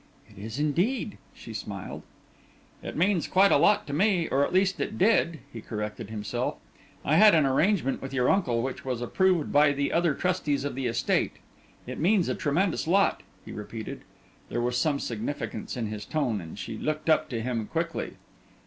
"It is indeed," she smiled. "It means quite a lot to me, or at least it did," he corrected himself. "I had an arrangement with your uncle, which was approved by the other trustees of the estate. It means a tremendous lot," he repeated. There was some significance in his tone and she looked up to him quickly.